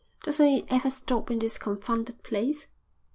"Doesn't it ever stop in this confounded place?"